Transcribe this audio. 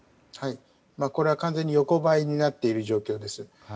これは完全に横ばいになっている状況です。